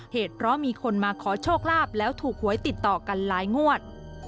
เหตุเพราะมีคนมาขอโชคลาภแล้วถูกหวยติดต่อกันหลายงวด